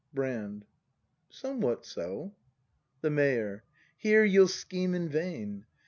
Brand. Somewhat so. The Mayor. Here you'll scheme in vain!